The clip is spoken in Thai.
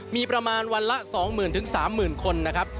มีประมาณวันละ๒๐๐๐๓๐๐คนนะครับ